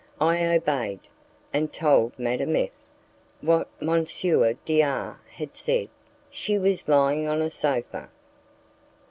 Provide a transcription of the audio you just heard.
I obeyed, and told Madame F what M. D R had said. She was lying on a sofa.